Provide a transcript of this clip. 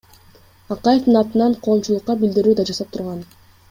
Акаевдин атынан коомчулукка билдирүү да жасап турган.